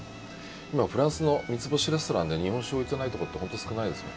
今フランスの三つ星レストランで日本酒を置いてないとこって本当少ないですね。